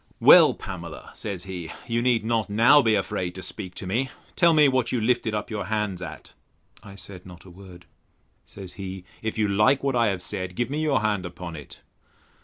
Well, Pamela, said he, you need not now be afraid to speak to me; tell me what you lifted up your hands at? I said not a word. Says he, If you like what I have said, give me your hand upon it.